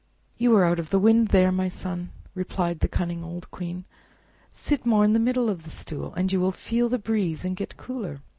"You are out of the wind there, my son," replied the cunning old Queen; "sit more in the middle of the stool, and then you will feel the breeze and get cooler."